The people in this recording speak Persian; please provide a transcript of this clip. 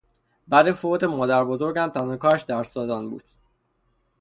بعد فوت مادربزرگم تنها کارش درس دادن بود